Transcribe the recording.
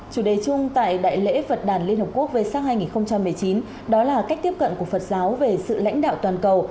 chủ đề chung tại đại lễ phật đàn liên hợp quốc vơ sắc hai nghìn một mươi chín đó là cách tiếp cận của phật giáo về sự lãnh đạo toàn cầu